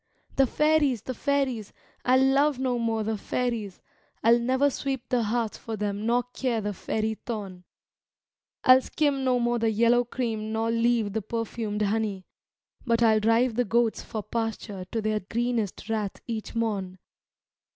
The fairies, the fairies, I '11 love no more the fairies, I '11 never sweep the hearth for them nor care the fairy thorn ; I '11 skim no more the yellow cream nor leave the perfumed honey, But I '11 drive the goats for pasture to their greenest rath each morn.